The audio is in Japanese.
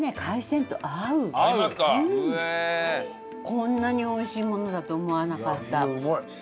こんなにおいしいものだと思わなかった。